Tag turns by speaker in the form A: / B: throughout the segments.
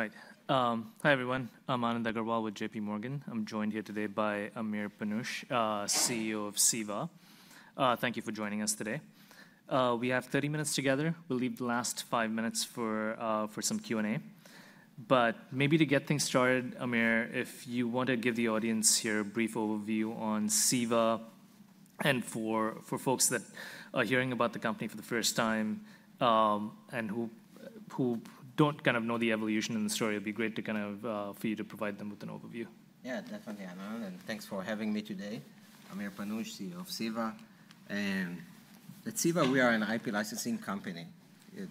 A: Right. Hi, everyone. I'm Anand Agarwal with JPMorgan. I'm joined here today by Amir Panush, CEO of CEVA. Thank you for joining us today. We have 30 minutes together. We'll leave the last five minutes for some Q&A. Maybe to get things started, Amir, if you want to give the audience here a brief overview on CEVA and for folks that are hearing about the company for the first time and who don't kind of know the evolution and the story, it'd be great for you to provide them with an overview.
B: Yeah, definitely, Anand. And thanks for having me today. I'm Amir Panush, CEO of CEVA. At CEVA, we are an IP licensing company.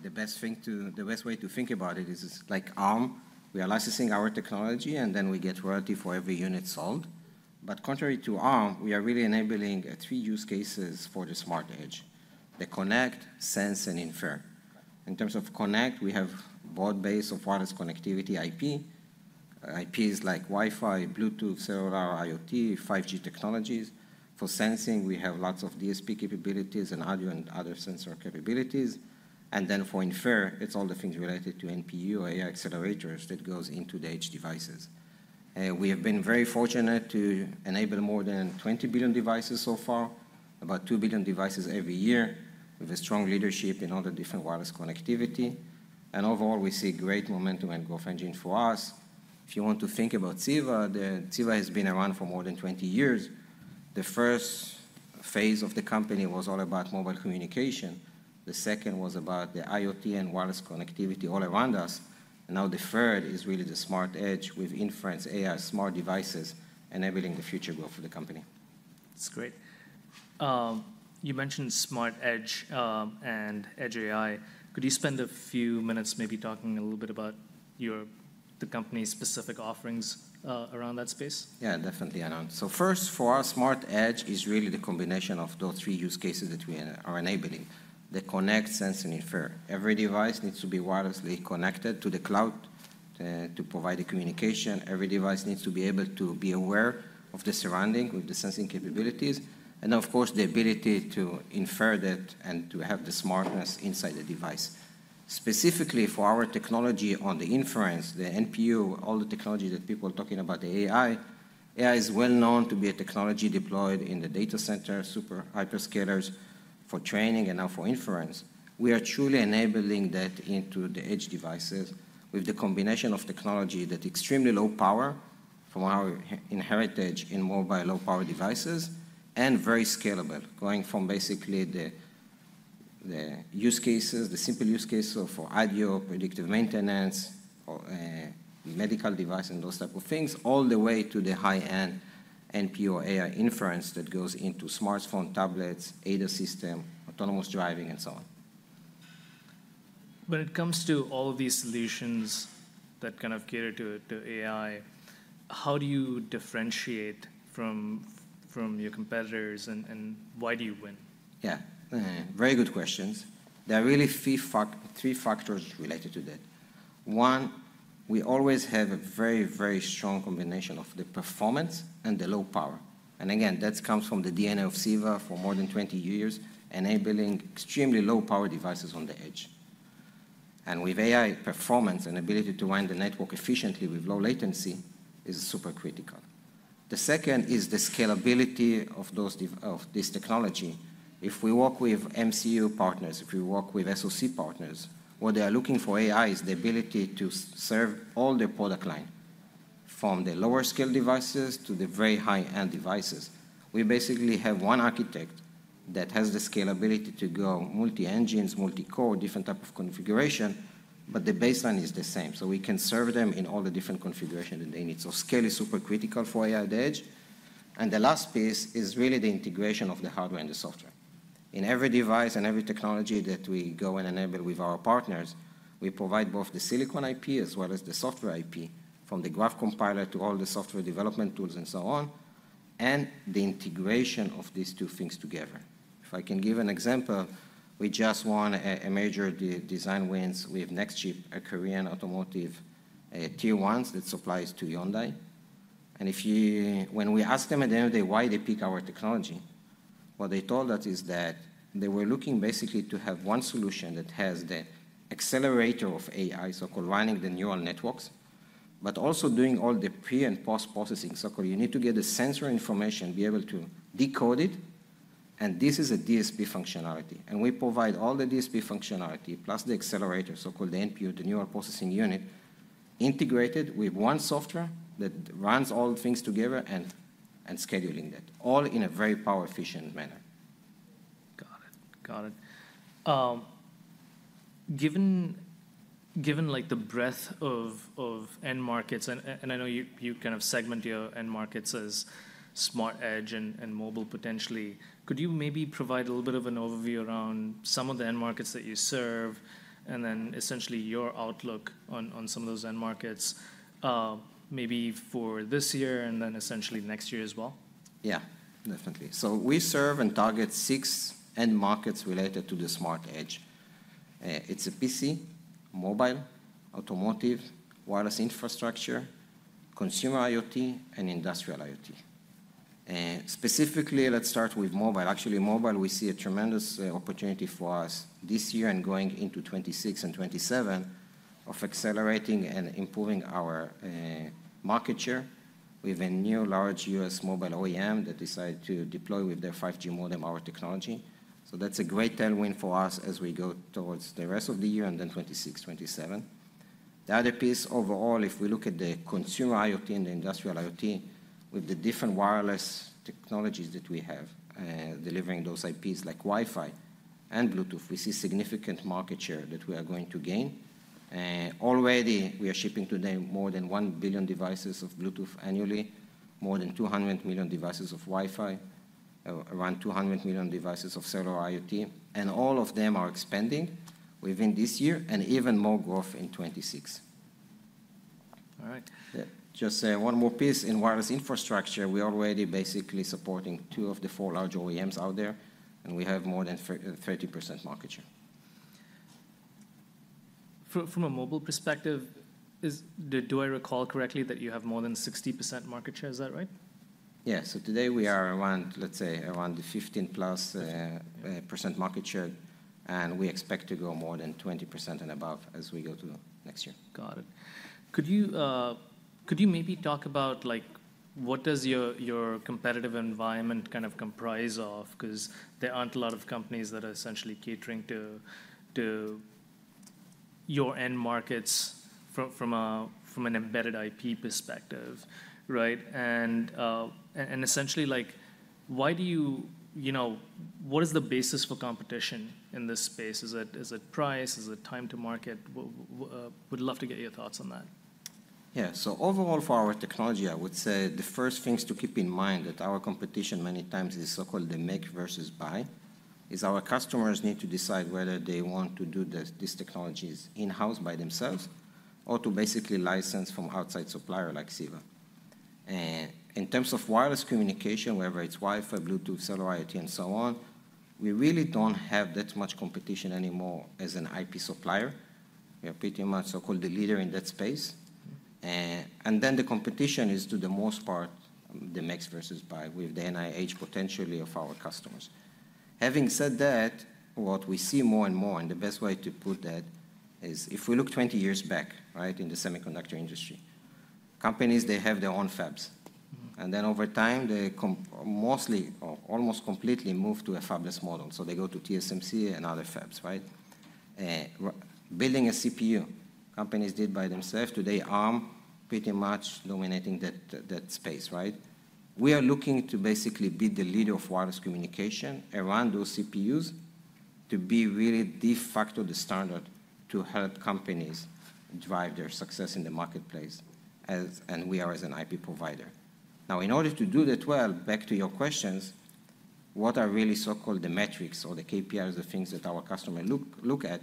B: The best way to think about it is like ARM. We are licensing our technology, and then we get royalty for every unit sold. But contrary to ARM, we are really enabling three use cases for the smart edge: the connect, sense, and infer. In terms of connect, we have broad-based wireless connectivity IP. IP is like Wi-Fi, Bluetooth, cellular, IoT, 5G technologies. For sensing, we have lots of DSP capabilities and audio and other sensor capabilities. And then for infer, it's all the things related to NPU or AI accelerators that go into the edge devices. We have been very fortunate to enable more than 20 billion devices so far, about 2 billion devices every year, with strong leadership in all the different wireless connectivity. Overall, we see great momentum and growth engine for us. If you want to think about CEVA, CEVA has been around for more than 20 years. The first phase of the company was all about mobile communication. The second was about the IoT and wireless connectivity all around us. Now the third is really the smart edge with inference, AI, smart devices, enabling the future growth of the company.
A: That's great. You mentioned Smart Edge and Edge AI. Could you spend a few minutes maybe talking a little bit about the company's specific offerings around that space?
B: Yeah, definitely, Anand. First, for us, smart edge is really the combination of those three use cases that we are enabling: the connect, sense, and infer. Every device needs to be wirelessly connected to the cloud to provide the communication. Every device needs to be able to be aware of the surrounding with the sensing capabilities. Of course, the ability to infer that and to have the smartness inside the device. Specifically for our technology on the inference, the NPU, all the technology that people are talking about, the AI, AI is well known to be a technology deployed in the data center, super hyperscalers for training and now for inference. We are truly enabling that into the edge devices with the combination of technology that's extremely low power from our heritage in mobile low-power devices and very scalable, going from basically the use cases, the simple use cases for audio, predictive maintenance, medical devices, and those types of things, all the way to the high-end NPU or AI inference that goes into smartphones, tablets, ADAS system, autonomous driving, and so on.
A: When it comes to all of these solutions that kind of cater to AI, how do you differentiate from your competitors, and why do you win?
B: Yeah, very good questions. There are really three factors related to that. One, we always have a very, very strong combination of the performance and the low power. Again, that comes from the DNA of CEVA for more than 20 years, enabling extremely low-power devices on the edge. With AI, performance and ability to run the network efficiently with low latency is super critical. The second is the scalability of this technology. If we work with MCU partners, if we work with SoC partners, what they are looking for in AI is the ability to serve all their product line, from the lower-skilled devices to the very high-end devices. We basically have one architect that has the scalability to go multi-engines, multi-core, different types of configuration, but the baseline is the same. We can serve them in all the different configurations that they need. Scale is super critical for AI at the edge. The last piece is really the integration of the hardware and the software. In every device and every technology that we go and enable with our partners, we provide both the silicon IP as well as the software IP from the graph compiler to all the software development tools and so on, and the integration of these two things together. If I can give an example, we just won a major design win. We have Nextchip, a Korean automotive tier one that supplies to Hyundai. When we asked them at the end of the day why they picked our technology, what they told us is that they were looking basically to have one solution that has the accelerator of AI, so running the neural networks, but also doing all the pre and post-processing. You need to get the sensor information, be able to decode it. This is a DSP functionality. We provide all the DSP functionality plus the accelerator, so called the NPU, the neural processing unit, integrated with one software that runs all things together and scheduling that, all in a very power-efficient manner.
A: Got it. Got it. Given the breadth of end markets, and I know you kind of segment your end markets as smart edge and mobile potentially, could you maybe provide a little bit of an overview around some of the end markets that you serve and then essentially your outlook on some of those end markets, maybe for this year and then essentially next year as well?
B: Yeah, definitely. We serve and target six end markets related to the smart edge. It's PC, mobile, automotive, wireless infrastructure, consumer IoT, and industrial IoT. Specifically, let's start with mobile. Actually, mobile, we see a tremendous opportunity for us this year and going into 2026 and 2027 of accelerating and improving our market share with a new large U.S. mobile OEM that decided to deploy with their 5G modem our technology. That's a great tailwind for us as we go towards the rest of the year and then 2026, 2027. The other piece overall, if we look at the consumer IoT and the industrial IoT with the different wireless technologies that we have delivering those IPs like Wi-Fi and Bluetooth, we see significant market share that we are going to gain. Already, we are shipping today more than 1 billion devices of Bluetooth annually, more than 200 million devices of Wi-Fi, around 200 million devices of cellular IoT. All of them are expanding within this year and even more growth in 2026.
A: All right.
B: Just one more piece. In wireless infrastructure, we are already basically supporting two of the four large OEMs out there, and we have more than 30% market share.
A: From a mobile perspective, do I recall correctly that you have more than 60% market share? Is that right?
B: Yeah. So today we are around, let's say, around the 15%+ market share, and we expect to go more than 20% and above as we go to next year.
A: Got it. Could you maybe talk about what does your competitive environment kind of comprise of? Because there aren't a lot of companies that are essentially catering to your end markets from an embedded IP perspective, right? Essentially, what is the basis for competition in this space? Is it price? Is it time to market? Would love to get your thoughts on that.
B: Yeah. So overall for our technology, I would say the first things to keep in mind that our competition many times is so-called the make versus buy is our customers need to decide whether they want to do these technologies in-house by themselves or to basically license from outside supplier like CEVA. In terms of wireless communication, whether it's Wi-Fi, Bluetooth, cellular IoT, and so on, we really don't have that much competition anymore as an IP supplier. We are pretty much so-called the leader in that space. The competition is, to the most part, the make versus buy with the NIH potentially of our customers. Having said that, what we see more and more, and the best way to put that is if we look 20 years back, right, in the semiconductor industry, companies, they have their own fabs. Over time, they mostly or almost completely moved to a fabless model. They go to TSMC and other fabs, right? Building a CPU, companies did by themselves. Today, ARM pretty much dominating that space, right? We are looking to basically be the leader of wireless communication around those CPUs to be really de facto the standard to help companies drive their success in the marketplace, and we are as an IP provider. In order to do that well, back to your questions, what are really so-called the metrics or the KPIs, the things that our customers look at?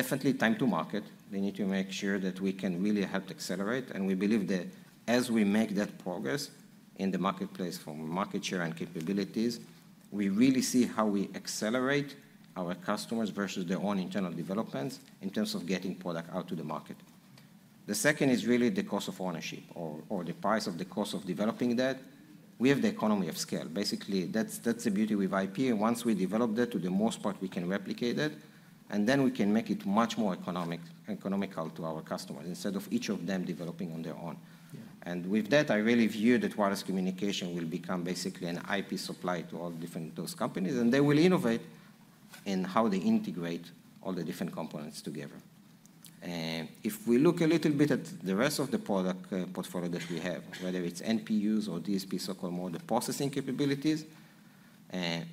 B: Definitely time to market. They need to make sure that we can really help to accelerate. We believe that as we make that progress in the marketplace from market share and capabilities, we really see how we accelerate our customers versus their own internal developments in terms of getting product out to the market. The second is really the cost of ownership or the price of the cost of developing that. We have the economy of scale. Basically, that's the beauty with IP. Once we develop that, to the most part, we can replicate it, and then we can make it much more economical to our customers instead of each of them developing on their own. With that, I really view that wireless communication will become basically an IP supply to all those different companies, and they will innovate in how they integrate all the different components together. If we look a little bit at the rest of the product portfolio that we have, whether it's NPUs or DSP, so-called more the processing capabilities,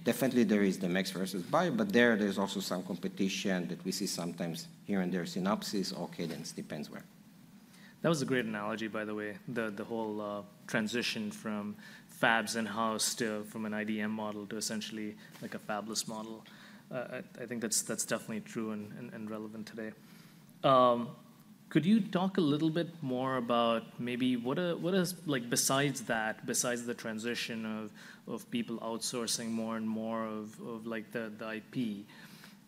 B: definitely there is the make versus buy, but there there's also some competition that we see sometimes here and there, Synopsys or Cadence, depends where.
A: That was a great analogy, by the way, the whole transition from fabs in-house to from an IDM model to essentially like a fabless model. I think that's definitely true and relevant today. Could you talk a little bit more about maybe what is, besides that, besides the transition of people outsourcing more and more of the IP,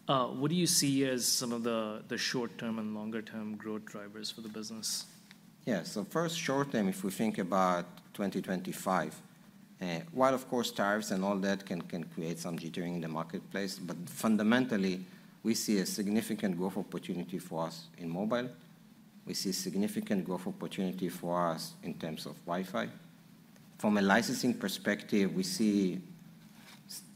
A: what do you see as some of the short-term and longer-term growth drivers for the business?
B: Yeah. First, short-term, if we think about 2025, while of course tariffs and all that can create some jittering in the marketplace, fundamentally, we see a significant growth opportunity for us in mobile. We see a significant growth opportunity for us in terms of Wi-Fi. From a licensing perspective, we see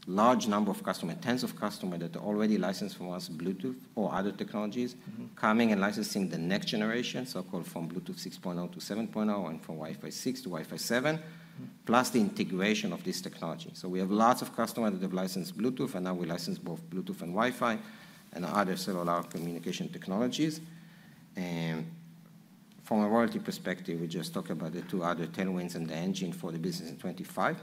B: a large number of customers, tens of customers that are already licensed for our Bluetooth or other technologies coming and licensing the next generation, so-called from Bluetooth 6.0 to 7.0 and from Wi-Fi 6 to Wi-Fi 7, plus the integration of this technology. We have lots of customers that have licensed Bluetooth, and now we license both Bluetooth and Wi-Fi and other cellular communication technologies. From a royalty perspective, we just talked about the two other tailwinds and the engine for the business in 2025.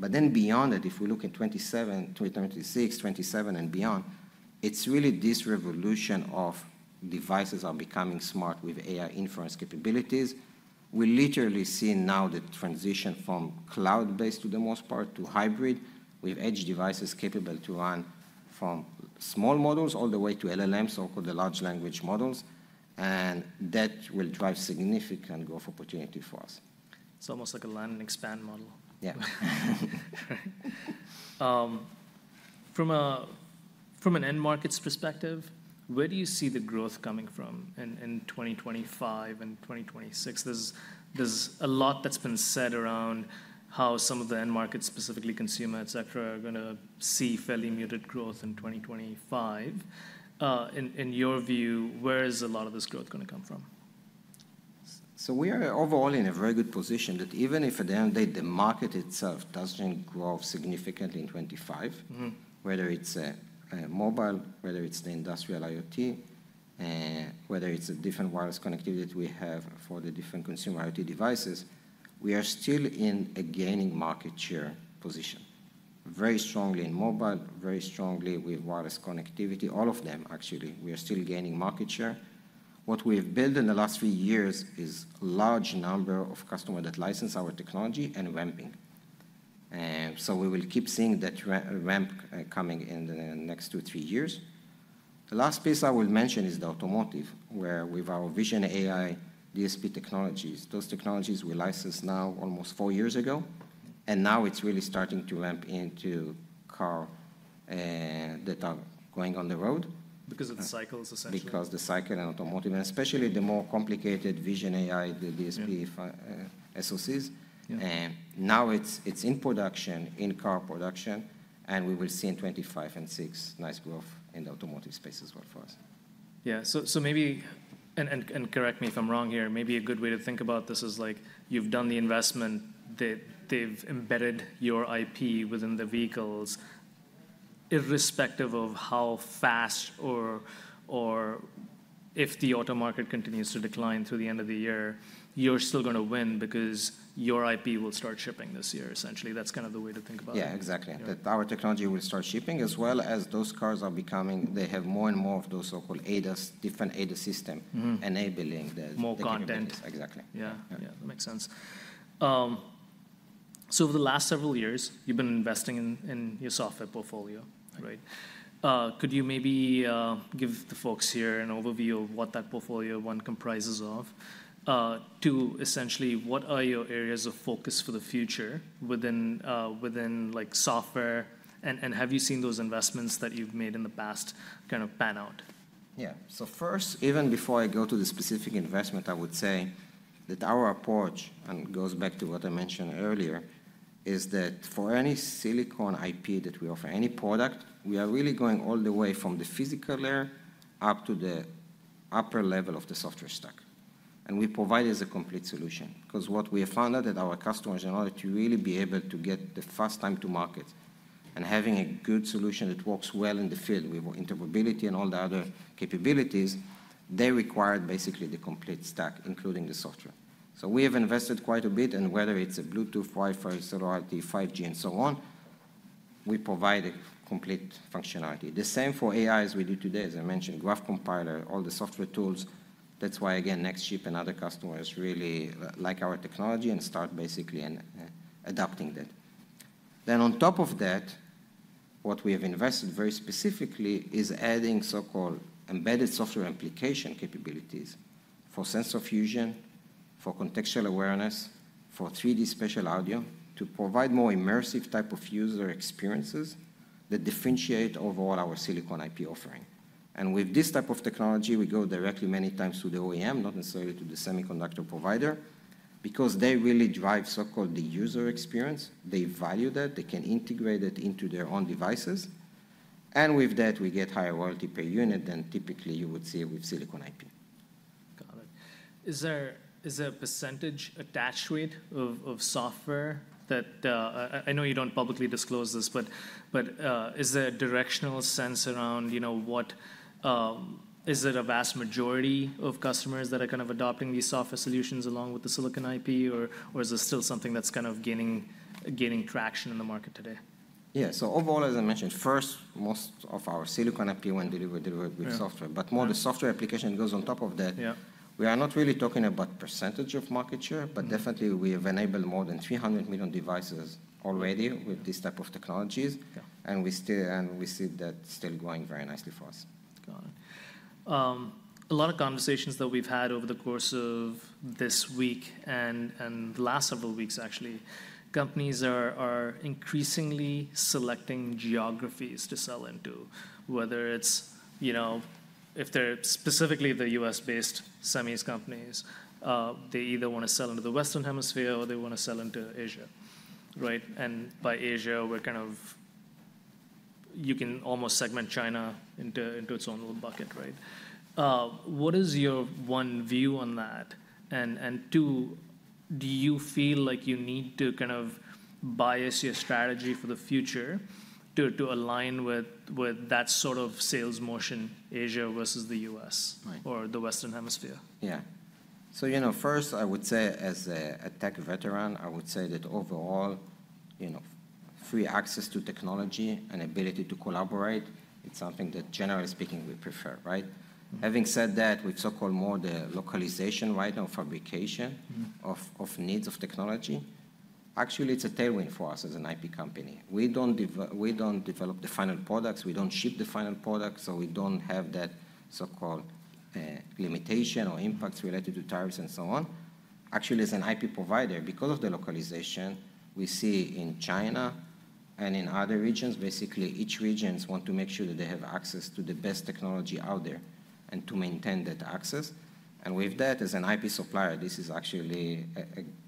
B: Then beyond that, if we look in 2027, 2026, 2027 and beyond, it's really this revolution of devices are becoming smart with AI inference capabilities. We literally see now the transition from cloud-based to the most part to hybrid with edge devices capable to run from small models all the way to LLMs, so-called the large language models. That will drive significant growth opportunity for us.
A: It's almost like a land and expand model.
B: Yeah.
A: From an end markets perspective, where do you see the growth coming from in 2025 and 2026? There's a lot that's been said around how some of the end markets, specifically consumer, et cetera, are going to see fairly muted growth in 2025. In your view, where is a lot of this growth going to come from?
B: We are overall in a very good position that even if at the end of the day the market itself does not grow significantly in 2025, whether it is mobile, whether it is the industrial IoT, whether it is a different wireless connectivity that we have for the different consumer IoT devices, we are still in a gaining market share position, very strongly in mobile, very strongly with wireless connectivity, all of them actually. We are still gaining market share. What we have built in the last few years is a large number of customers that license our technology and ramping. We will keep seeing that ramp coming in the next two, three years. The last piece I will mention is the automotive, where with our vision AI, DSP technologies, those technologies we licensed now almost four years ago, and now it's really starting to ramp into cars that are going on the road.
A: Because of the cycles essentially.
B: Because the cycle in automotive, and especially the more complicated vision AI, the DSP, SoCs. Now it's in production, in car production, and we will see in 2025 and 2026 nice growth in the automotive space as well for us.
A: Yeah. So maybe, and correct me if I'm wrong here, maybe a good way to think about this is like you've done the investment that they've embedded your IP within the vehicles. Irrespective of how fast or if the auto market continues to decline through the end of the year, you're still going to win because your IP will start shipping this year essentially. That's kind of the way to think about it.
B: Yeah, exactly. That our technology will start shipping as well as those cars are becoming, they have more and more of those so-called ADAS, different ADAS system enabling the.
A: More content.
B: Exactly.
A: Yeah. Yeah, that makes sense. Over the last several years, you've been investing in your software portfolio, right? Could you maybe give the folks here an overview of what that portfolio, one, comprises of, to essentially what are your areas of focus for the future within software? Have you seen those investments that you've made in the past kind of pan out?
B: Yeah. First, even before I go to the specific investment, I would say that our approach, and it goes back to what I mentioned earlier, is that for any silicon IP that we offer, any product, we are really going all the way from the physical layer up to the upper level of the software stack. We provide it as a complete solution. What we have found is that our customers, in order to really be able to get the first time to market and have a good solution that works well in the field with interoperability and all the other capabilities, they require basically the complete stack, including the software. We have invested quite a bit, and whether it's Bluetooth, Wi-Fi, Cellular IoT, 5G, and so on, we provide complete functionality. The same for AI as we do today, as I mentioned, Graph Compiler, all the software tools. That is why, again, Nextchip and other customers really like our technology and start basically adopting that. On top of that, what we have invested very specifically is adding so-called embedded software application capabilities for sensor fusion, for contextual awareness, for 3D spatial audio to provide more immersive type of user experiences that differentiate overall our silicon IP offering. With this type of technology, we go directly many times to the OEM, not necessarily to the semiconductor provider, because they really drive so-called the user experience. They value that. They can integrate it into their own devices. With that, we get higher royalty per unit than typically you would see with silicon IP.
A: Got it. Is there a % attached rate of software that I know you do not publicly disclose this, but is there a directional sense around what is it a vast majority of customers that are kind of adopting these software solutions along with the silicon IP? Or is there still something that is kind of gaining traction in the market today?
B: Yeah. So overall, as I mentioned, first, most of our silicon IP when delivered with software, but more the software application goes on top of that. We are not really talking about % of market share, but definitely we have enabled more than 300 million devices already with these type of technologies. And we see that still going very nicely for us.
A: Got it. A lot of conversations that we've had over the course of this week and the last several weeks, actually, companies are increasingly selecting geographies to sell into, whether it's if they're specifically the U.S.-based semis companies, they either want to sell into the Western Hemisphere or they want to sell into Asia, right? And by Asia, we're kind of you can almost segment China into its own little bucket, right? What is your one view on that? And two, do you feel like you need to kind of bias your strategy for the future to align with that sort of sales motion Asia versus the U.S. or the Western Hemisphere?
B: Yeah. First, I would say as a tech veteran, I would say that overall, free access to technology and ability to collaborate, it's something that generally speaking we prefer, right? Having said that, with so-called more the localization right now, fabrication of needs of technology, actually it's a tailwind for us as an IP company. We do not develop the final products. We do not ship the final products. We do not have that so-called limitation or impacts related to tariffs and so on. Actually, as an IP provider, because of the localization, we see in China and in other regions, basically each region wants to make sure that they have access to the best technology out there and to maintain that access. With that, as an IP supplier, this is actually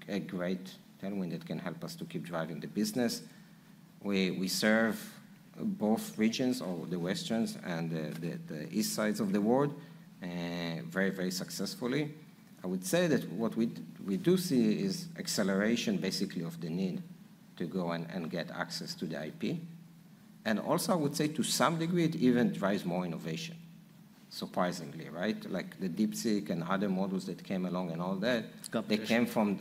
B: a great tailwind that can help us to keep driving the business. We serve both regions, or the Western and the East sides of the world, very, very successfully. I would say that what we do see is acceleration, basically, of the need to go and get access to the IP. Also, I would say to some degree, it even drives more innovation, surprisingly, right? Like the DeepSeek and other models that came along and all that, they came from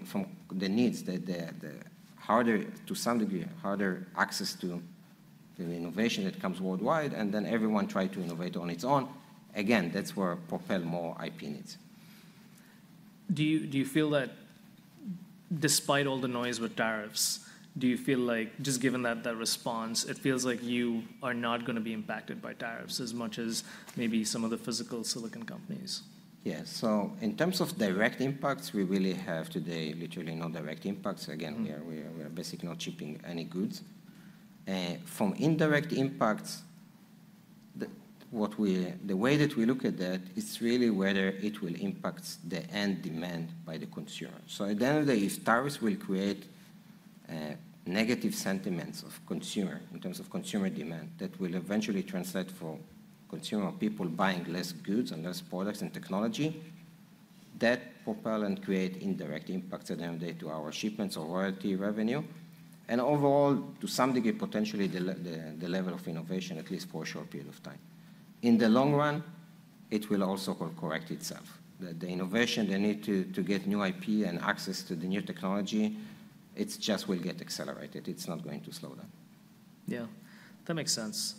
B: the needs that the harder, to some degree, harder access to the innovation that comes worldwide, and then everyone tried to innovate on its own. Again, that is where propel more IP needs.
A: Do you feel that despite all the noise with tariffs, do you feel like just given that response, it feels like you are not going to be impacted by tariffs as much as maybe some of the physical silicon companies?
B: Yeah. In terms of direct impacts, we really have today literally no direct impacts. Again, we are basically not shipping any goods. From indirect impacts, the way that we look at that is really whether it will impact the end demand by the consumer. At the end of the day, if tariffs will create negative sentiments of consumer in terms of consumer demand, that will eventually translate for consumer people buying less goods and less products and technology. That propel and create indirect impacts at the end of the day to our shipments or royalty revenue. Overall, to some degree, potentially the level of innovation, at least for a short period of time. In the long run, it will also correct itself. The innovation, the need to get new IP and access to the new technology, it just will get accelerated. It's not going to slow down.
A: Yeah. That makes sense.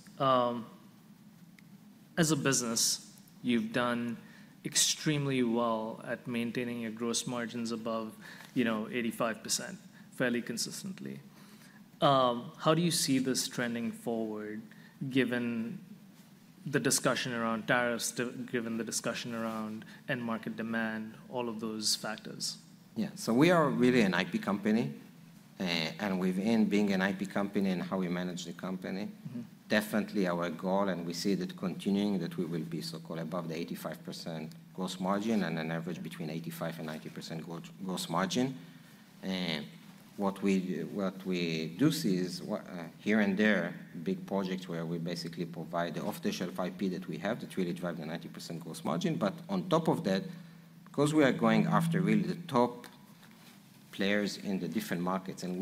A: As a business, you've done extremely well at maintaining your gross margins above 85% fairly consistently. How do you see this trending forward given the discussion around tariffs, given the discussion around end market demand, all of those factors?
B: Yeah. So we are really an IP company. And within being an IP company and how we manage the company, definitely our goal, and we see that continuing, that we will be so-called above the 85% gross margin and an average between 85% and 90% gross margin. What we do see is here and there, big projects where we basically provide the off-the-shelf IP that we have that really drive the 90% gross margin. But on top of that, because we are going after really the top players in the different markets and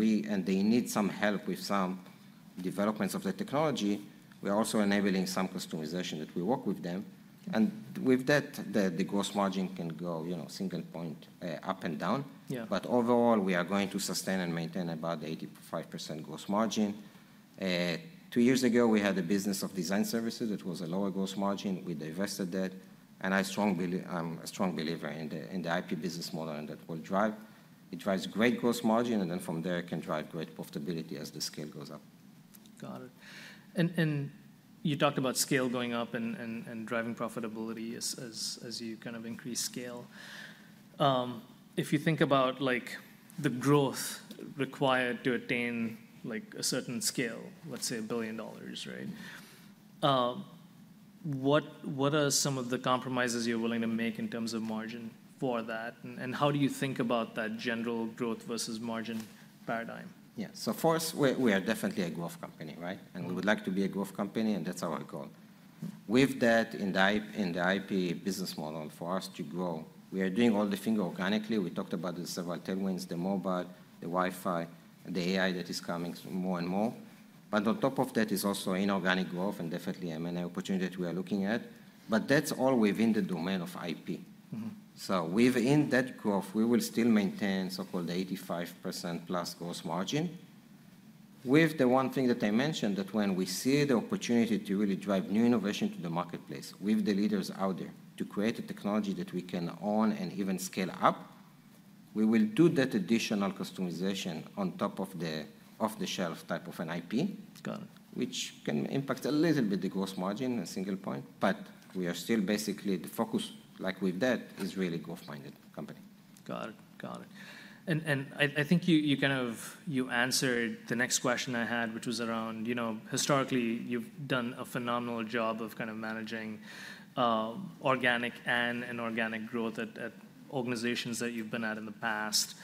B: they need some help with some developments of the technology, we are also enabling some customization that we work with them. And with that, the gross margin can go single point up and down. But overall, we are going to sustain and maintain about the 85% gross margin. Two years ago, we had a business of design services that was a lower gross margin. We divested that. I'm a strong believer in the IP business model and that will drive. It drives great gross margin. From there, it can drive great profitability as the scale goes up.
A: Got it. You talked about scale going up and driving profitability as you kind of increase scale. If you think about the growth required to attain a certain scale, let's say $1 billion, right? What are some of the compromises you're willing to make in terms of margin for that? How do you think about that general growth versus margin paradigm?
B: Yeah. So first, we are definitely a growth company, right? And we would like to be a growth company. And that's our goal. With that, in the IP business model for us to grow, we are doing all the things organically. We talked about the several tailwinds, the mobile, the Wi-Fi, the AI that is coming more and more. On top of that is also inorganic growth and definitely M&A opportunity that we are looking at. That's all within the domain of IP. Within that growth, we will still maintain so-called the 85%+ gross margin. With the one thing that I mentioned, that when we see the opportunity to really drive new innovation to the marketplace with the leaders out there to create a technology that we can own and even scale up, we will do that additional customization on top of the off-the-shelf type of an IP, which can impact a little bit the gross margin and single point. We are still basically the focus like with that is really growth-minded company.
A: Got it. Got it. I think you kind of answered the next question I had, which was around historically, you've done a phenomenal job of kind of managing organic and inorganic growth at organizations that you've been at in the past.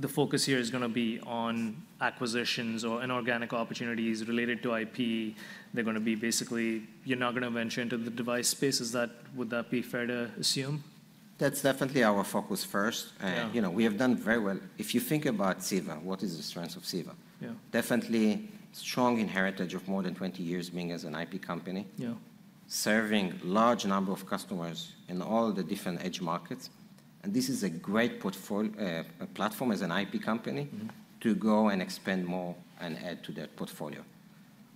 A: The focus here is going to be on acquisitions or inorganic opportunities related to IP. They're going to be basically you're not going to venture into the device space. Would that be fair to assume?
B: That's definitely our focus first. We have done very well. If you think about CEVA, what is the strength of CEVA? Definitely strong inheritage of more than 20 years being as an IP company, serving large number of customers in all the different edge markets. This is a great platform as an IP company to go and expand more and add to that portfolio.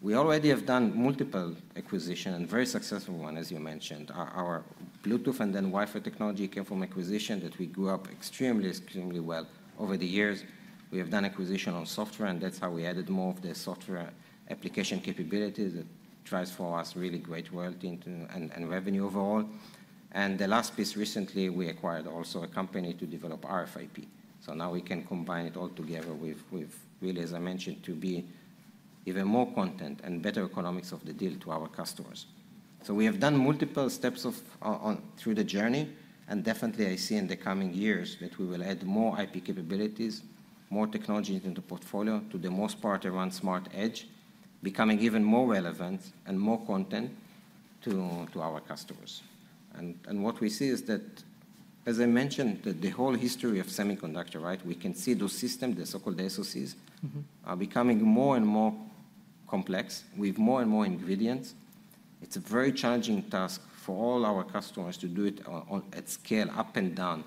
B: We already have done multiple acquisitions and very successful one, as you mentioned. Our Bluetooth and then Wi-Fi technology came from acquisition that we grew up extremely, extremely well over the years. We have done acquisition on software. That's how we added more of the software application capabilities that drives for us really great royalty and revenue overall. The last piece recently, we acquired also a company to develop RFIP. Now we can combine it all together with really, as I mentioned, to be even more content and better economics of the deal to our customers. We have done multiple steps through the journey. Definitely, I see in the coming years that we will add more IP capabilities, more technology into the portfolio to the most part around smart edge, becoming even more relevant and more content to our customers. What we see is that, as I mentioned, the whole history of semiconductor, right? We can see those systems, the so-called SoCs, are becoming more and more complex with more and more ingredients. It's a very challenging task for all our customers to do it at scale up and down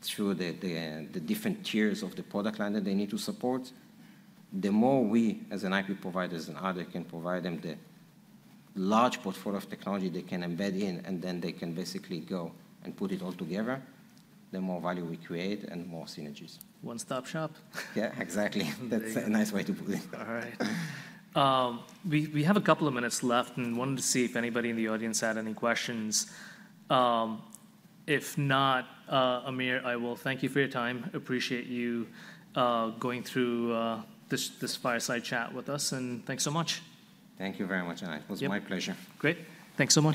B: through the different tiers of the product line that they need to support. The more we, as an IP provider, as another, can provide them the large portfolio of technology they can embed in, and then they can basically go and put it all together, the more value we create and more synergies.
A: One-stop shop.
B: Yeah, exactly. That's a nice way to put it.
A: All right. We have a couple of minutes left and wanted to see if anybody in the audience had any questions. If not, Amir, I will thank you for your time. Appreciate you going through the fireside chat with us. Thanks so much.
B: Thank you very much, Anand. It was my pleasure.
A: Great. Thanks so much.